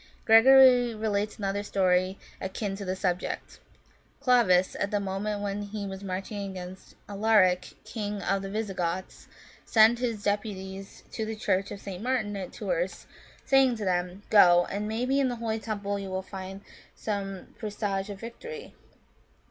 " Gregory relates another story akin to the subject. Clovis, at the moment when he was marching against Alaric, king of the Visigoths, sent his deputies to the Church of St. Martin, at Tours, saying to them, " Go, and maybe, in the holy temple you will find some presage of victory."